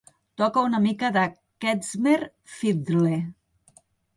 Toca una mica de kezmer fiddle